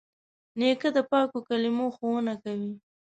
نیکه د پاکو کلمو ښوونه کوي.